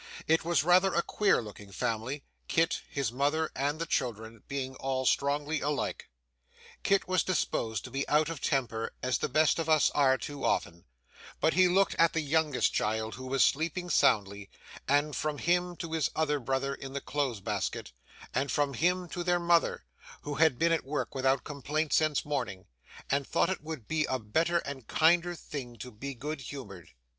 It was rather a queer looking family: Kit, his mother, and the children, being all strongly alike. Kit was disposed to be out of temper, as the best of us are too often but he looked at the youngest child who was sleeping soundly, and from him to his other brother in the clothes basket, and from him to their mother, who had been at work without complaint since morning, and thought it would be a better and kinder thing to be good humoured.